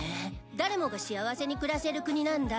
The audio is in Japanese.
誰もが幸せに暮らせる国なんだ。